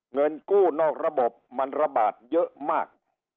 เงินกู้นอกระบบมันระบาดเยอะมาก